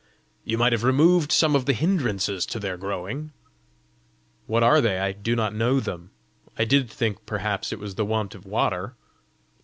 "You might have removed some of the hindrances to their growing!" "What are they? I do not know them. I did think perhaps it was the want of water!"